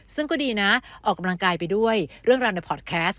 ซึ่งก็ดีนะออกกำลังกายไปด้วยเรื่องราวในพอร์ตแคสต